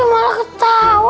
eh malah ketawa